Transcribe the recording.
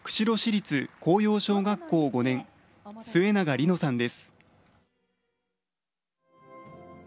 立光陽小学校５年末永莉乃さんです。